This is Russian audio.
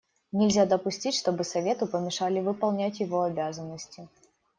Нельзя допустить, чтобы Совету помешали выполнять его обязанности.